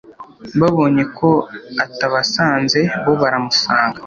Babonye ko atabasanze, bo baramusanga.